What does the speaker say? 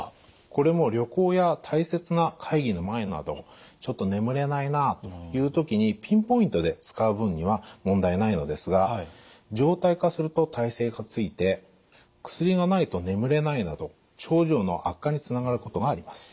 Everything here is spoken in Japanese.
これも旅行や大切な会議の前などちょっと眠れないなという時にピンポイントで使う分には問題ないのですが常態化すると耐性がついて薬がないと眠れないなど症状の悪化につながることがあります。